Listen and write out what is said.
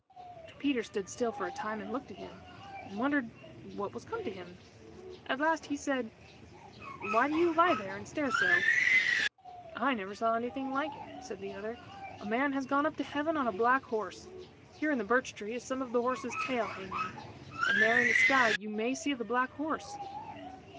Peter stood still for a time and looked at him, and wondered what was come to him. At last he said "Why do you lie there and stare so?" "I never saw anything like it," said the other. "A man has gone up to heaven on a black horse. Here in the birch tree is some of the horse's tail hanging, and there in the sky you may see the black horse."